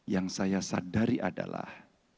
yang saya sadari adalah